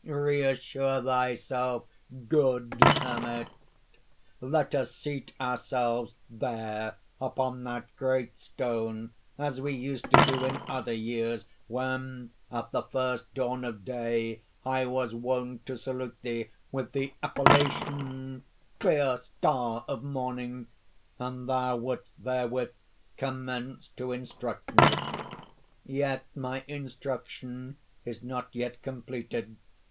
"Reassure thyself, good Hermit. Let us seat ourselves there, upon that great stone, as we used to do in other years, when, at the first dawn of day, I was wont to salute thee with the appellation, 'Clear star of morning' and thou wouldst therewith commence to instruct me. Yet my instruction is not yet completed.